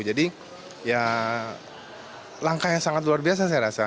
jadi ya langkah yang sangat luar biasa saya rasa